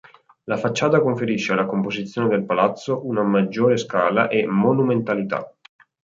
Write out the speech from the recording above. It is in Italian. La facciata conferisce alla composizione del palazzo una maggiore scala e monumentalità.